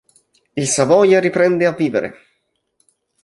Il Savoia riprende a vivere.